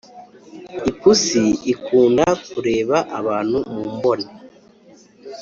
Ipusi ikunda kureba abantu mu mbone